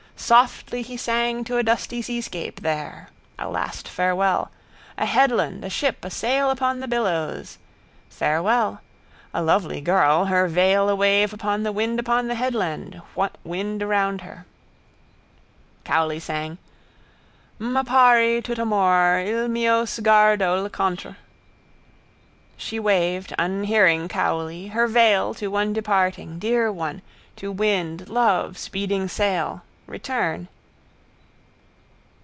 Softly he sang to a dusty seascape there: A Last Farewell. A headland, a ship, a sail upon the billows. Farewell. A lovely girl, her veil awave upon the wind upon the headland, wind around her. Cowley sang: —M'appari tutt'amor: Il mio sguardo l'incontr... She waved, unhearing Cowley, her veil, to one departing, dear one, to wind, love, speeding sail, return.